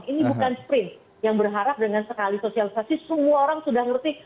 ini bukan sprint yang berharap dengan sekali sosialisasi semua orang sudah ngerti